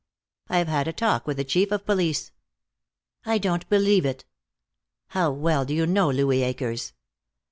I've had a talk with the Chief of Police." "I don't believe it." "How well do you know Louis Akers?"